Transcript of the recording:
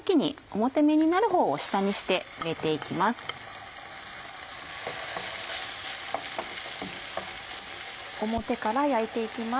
表から焼いて行きます。